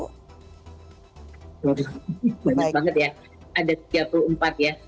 banyak banget ya ada tiga puluh empat ya